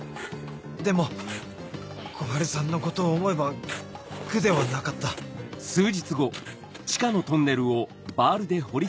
でも小春さんのことを思えば苦ではなかったあっ。